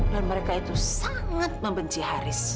mereka itu sangat membenci haris